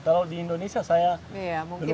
kalau di indonesia saya belum